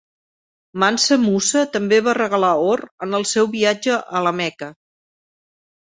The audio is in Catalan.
Mansa Musa també va regalar or en el seu viatge a La Meca.